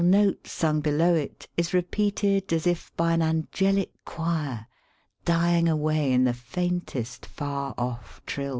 note sung below it is repeated as if by an angeKo choir, dying away in the faintest far off triU.